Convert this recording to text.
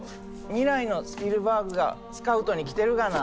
未来のスピルバーグがスカウトに来てるがな。